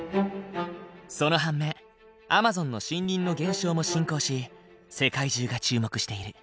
その反面アマゾンの森林の減少も進行し世界中が注目している。